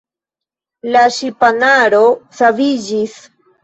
La ŝipanaro saviĝis.